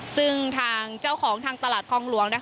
ซึ่งทางเจ้าของทางตลาดคลองหลวง